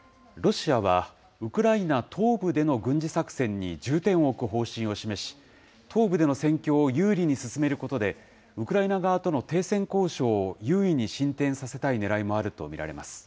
ロシアは、ウクライナ東部での軍事作戦に重点を置く方針を示し、東部での戦況を有利に進めることで、ウクライナ側との停戦交渉を優位に進展させたいねらいもあると見